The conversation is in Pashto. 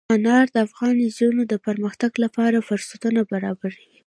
انار د افغان نجونو د پرمختګ لپاره فرصتونه برابروي.